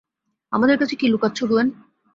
আমাদের কাছে কী লুকাচ্ছো, গুয়েন?